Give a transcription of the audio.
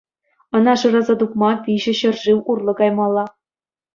Ӑна шыраса тупма виҫӗ ҫӗршыв урлӑ каймалла.